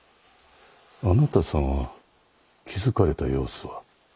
あなた様は気付かれた様子は？